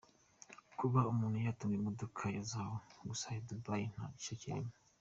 Kuba umuntu yatunga imodoka ya zahabu gusa i Dubai nta gishya kirimo.